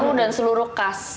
seluruh dan seluruh cast